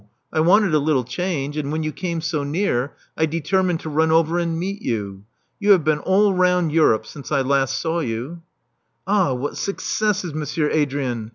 I wanted a little change; and when you came so near, I determined to run over and meet you. You have been all round Europe since Hast saw you." Ah, what successes, Monsieur Adrian!